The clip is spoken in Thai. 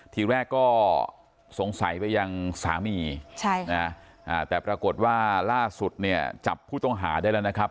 ทีแรกก็สงสัยไปยังสามีแต่ปรากฏว่าล่าสุดเนี่ยจับผู้ต้องหาได้แล้วนะครับ